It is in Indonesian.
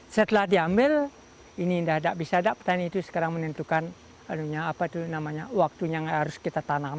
setelah diambil ini tidak bisa petani itu sekarang menentukan waktunya yang harus kita tanam